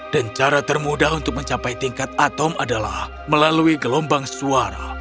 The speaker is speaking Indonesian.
dan cara termudah untuk mencapai tingkat atom adalah melalui gelombang suara